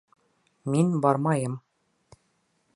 Мин бармайым.